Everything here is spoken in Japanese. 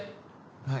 はい。